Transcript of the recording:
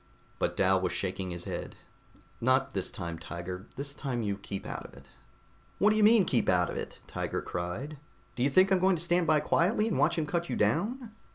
But Dal was shaking his head. "Not this time, Tiger. This time you keep out of it." "What do you mean, keep out of it?" Tiger cried. "Do you think I'm going to stand by quietly and watch him cut you down?"